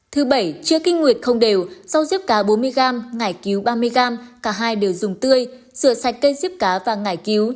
thứ bảy chữa kinh nguyệt không đều rau diếp cá bốn mươi g ngải cứu ba mươi g cả hai đều dùng tươi rửa sạch cây diếp cá và ngải cứu